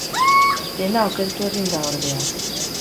Dena okertu egin da, ordea.